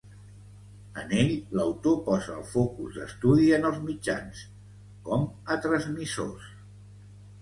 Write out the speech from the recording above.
En ell, l'autor posa el focus d'estudi en els Mitjans, com a transmissors.